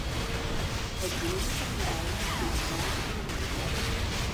It grien fan 'e greiden hie de glâns fan 'e maitiid.